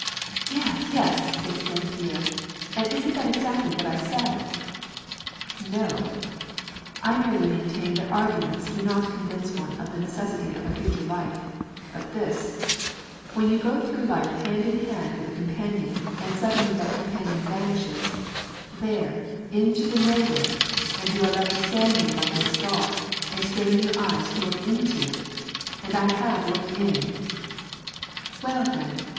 " Yes, yes," exclaimed Pierre, " and isn't that exactly what I said ?"" No ! I mereiy maintain that arguments do not convince one of the necessity of a future life, but this : when you go througli life hand in hand with a companion, and suddenly that companion vanishes, there, into the nowhere, and you are left standing by this gulf, and straining your eyes to look into it I And I have looked in !"" Well, then